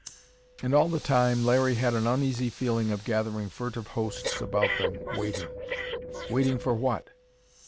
And all the time, Larry had an uneasy feeling of gathering furtive hosts about them, waiting waiting for what?